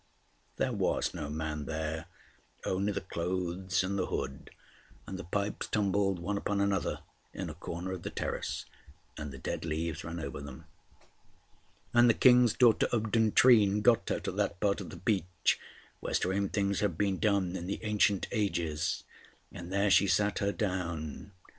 there was no man there, only the clothes and the hood and the pipes tumbled one upon another in a corner of the terrace, and the dead leaves ran over them. And the King's daughter of Duntrine got her to that part of the beach where strange things had been done in the ancient ages; and there she sat her down.